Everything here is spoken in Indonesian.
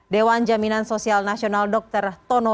dewan jaminan sosial nasional dr timbul dan juga dr tono